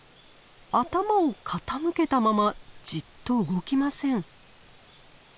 頭を傾けたままじっと動きません。